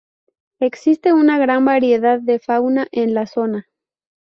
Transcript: Existe una gran variedad de fauna en la zona.